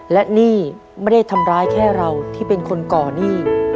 และนี่ไม่ได้ทำร้ายแค่เราที่เป็นคนก่อหนี้